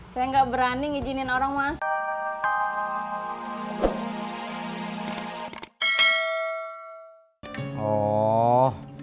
saya gak berani ngijinin orang masuk